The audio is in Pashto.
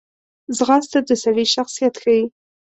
ځغاسته د سړي شخصیت ښیي